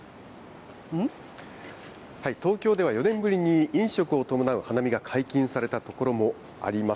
東京では４年ぶりに、飲食を伴う花見が解禁された所もあります。